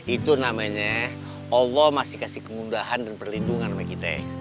itu namanya allah masih kasih kemudahan dan perlindungan sama kita